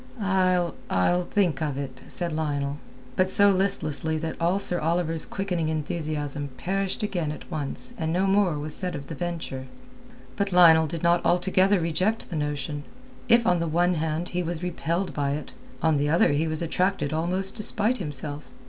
"I'll...I'll think of it," said Lionel, but so listlessly that all Sir Oliver's quickening enthusiasm perished again at once and no more was said of the venture. But Lionel did not altogether reject the notion. If on the one hand he was repelled by it, on the other he was attracted almost despite himself.